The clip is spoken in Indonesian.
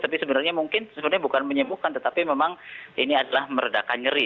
tapi sebenarnya mungkin sebenarnya bukan menyebuhkan tetapi memang ini adalah meredakan nyeri